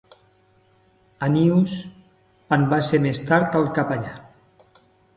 Anius en va ser més tard el capellà.